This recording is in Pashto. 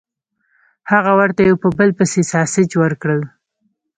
هغه ورته یو په بل پسې ساسج ورکړل